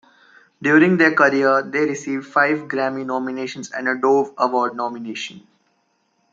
During their career, they received five Grammy nominations and a Dove Award nomination.